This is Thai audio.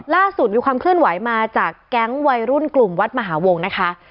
ล่าสุดมีความเคลื่อนไหวมาจากแก๊งวัยรุ่นกลุ่มวัดมหาวงนะคะ